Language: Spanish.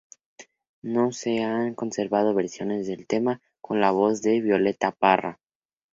No se han conservado versiones del tema con la voz de Violeta Parra.